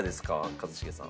一茂さん。